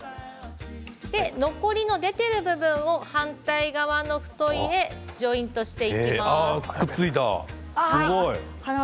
残りの出てる部分を反対側のフトイでジョイントしていきます。